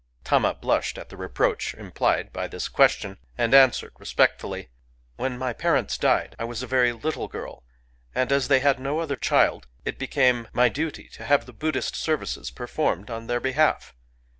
Tama blushed at the reproach implied by this question, and answered respectfully :— "When my parents died, I was a very little girl; and, as they had no other child, it became 57 /Googk Digitized by ^ 58 STORY OF A FLY my duty to have the Buddhist services performed on their behalf.